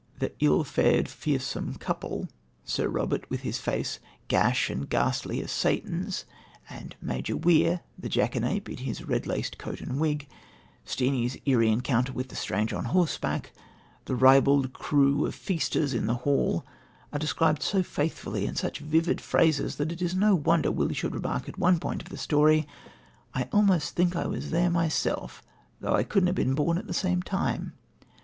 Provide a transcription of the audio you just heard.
The ill fa'urd, fearsome couple Sir Robert with his face "gash and ghastly as Satan's," and "Major Weir," the jackanape, in his red laced coat and wig Steenie's eerie encounter with the "stranger" on horseback, the ribald crew of feasters in the hall are described so faithfully and in such vivid phrases that it is no wonder Willie should remark at one point of the story: "I almost think I was there mysell, though I couldna be born at the same time."